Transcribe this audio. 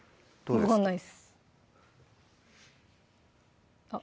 分かんないですあっ